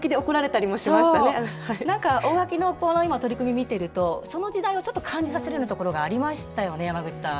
何か大垣のこの今取り組み見てるとその時代をちょっと感じさせるようなところがありましたよね山口さん。